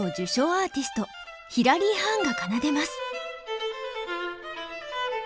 アーティストヒラリー・ハーンが奏でます。